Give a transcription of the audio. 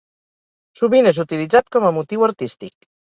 Sovint és utilitzat com a motiu artístic.